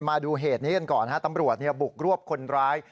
มาดูเหตุนี้กันก่อนตำรวจบุกรวบคนร้าย